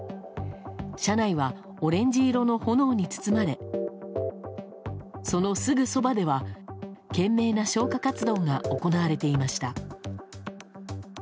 車内はオレンジ色の炎に包まれそのすぐそばでは、懸命な消火活動が行われていました。